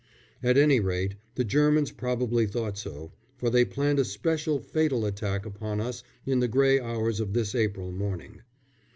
At any rate, the Germans probably thought so, for they planned a specially fatal attack upon us in the grey hours of this April morning.